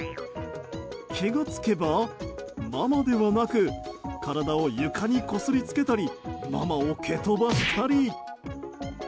気が付けばママではなく体を床にこすりつけたりママを蹴飛ばしたり。